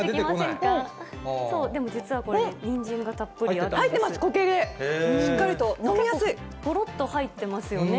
でも実はこれ、にんじんがた入ってます、ごろっと入ってますよね。